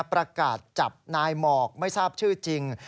ประกาศจับนายหมอกไม่ทราบชื่อจริง